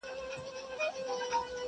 • زما او جانان د زندګۍ خبره ورانه سوله,